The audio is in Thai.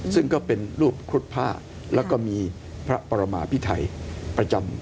ซึ่งก็เป็นรูปครุฑผ้าแล้วก็มีพระปรมาพิไทยประจำ